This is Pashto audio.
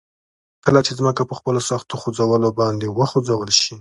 کله چې ځمکه په خپلو سختو خوځولو باندي وخوځول شي